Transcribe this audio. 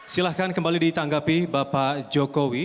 silahkan kembali ditanggapi bapak jokowi